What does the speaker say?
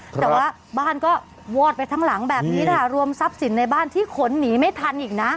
แต่ว่าบ้านก็วอดไปทั้งหลังแบบนี้นะคะรวมทรัพย์สินในบ้านที่ขนหนีไม่ทันอีกนะ